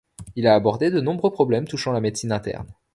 Il a abordé de nombreux problèmes touchant la médecine interne.